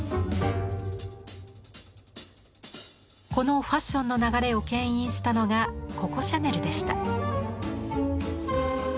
このファッションの流れをけん引したのがココ・シャネルでした。